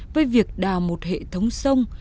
với việc đào một hệ thống sông